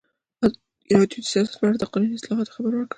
ازادي راډیو د سیاست په اړه د قانوني اصلاحاتو خبر ورکړی.